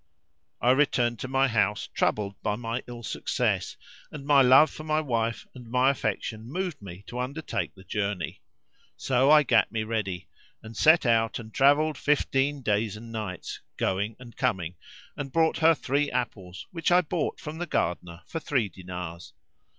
I returned to my house troubled by my ill success; and my love for my wife and my affection moved me to undertake the journey. So I gat me ready and set out and travelled fifteen days and nights, going and coming, and brought her three apples which I bought from the gardener for three dinars.